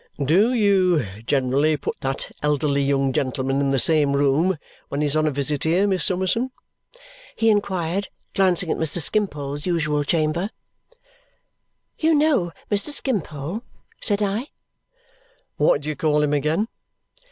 "Do you generally put that elderly young gentleman in the same room when he's on a visit here, Miss Summerson?" he inquired, glancing at Mr. Skimpole's usual chamber. "You know Mr. Skimpole!" said I. "What do you call him again?"